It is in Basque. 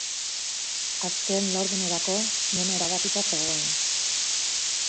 Azken laurdenerako, dena erabakita zegoen.